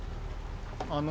あの。